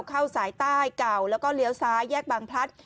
เข้าสายใต้เก่าแล้วก็เลี้ยวซ้ายแยกบางพลัด